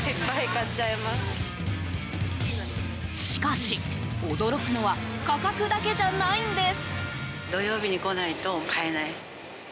しかし、驚くのは価格だけじゃないんです。